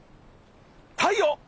太陽！